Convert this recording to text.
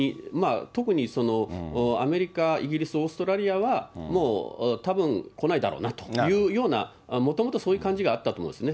特にアメリカ、イギリス、オーストラリアは、もう、たぶん来ないだろうなというような、もともとそういう感じがあったと思うんですね。